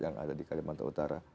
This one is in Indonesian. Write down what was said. yang ada di kalimantan utara